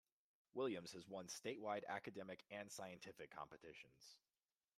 Williams has won statewide academic and scientific competitions.